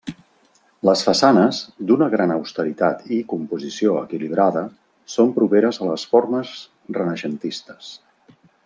Les façanes, d'una gran austeritat i composició equilibrada, són properes a les formes renaixentistes.